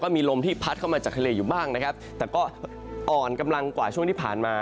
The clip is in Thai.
มีลมที่พัดเข้ามาจากทะเลอยู่บ้างนะครับแต่ก็อ่อนกำลังกว่าช่วงที่ผ่านมา